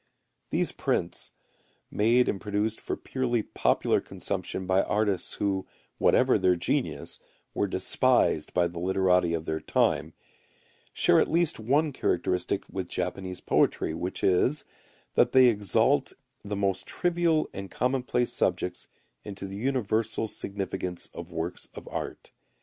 These prints, made and produced for purely popular consumption by artists who, whatever their genius, were despised by the literati of their time, share at least one characteristic with Japanese poetry, which is, that they exalt the most trivial and commonplace subjects into the universal significance of works of art.